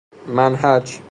منﮩج